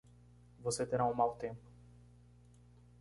Você terá um mau tempo.